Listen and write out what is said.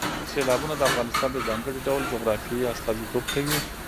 سیلابونه د افغانستان د ځانګړي ډول جغرافیې استازیتوب کوي.